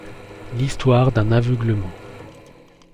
L’histoire d’un aveuglement.